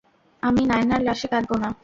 আমি নায়নার লাশে কাঁদবো না।